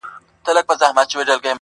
خبري د کتاب ښې دي.